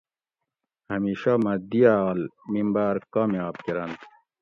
ہمیشہ مہۤ دِیال ممباۤر کامیاب کرنت